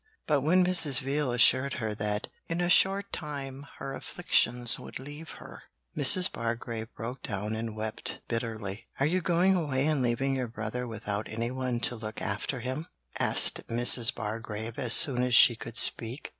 But when Mrs. Veal assured her that 'in a short time her afflictions would leave her,' Mrs. Bargrave broke down and wept bitterly. 'Are you going away and leaving your brother without anyone to look after him?' asked Mrs. Bargrave as soon as she could speak.